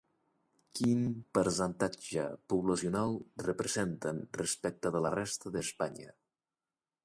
Quin percentatge poblacional representen respecte de la resta d'Espanya?